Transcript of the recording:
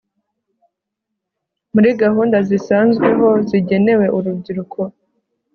muri gahunda zisanzweho zigenewe urubyiruko